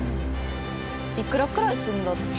いくらくらいするんだろう。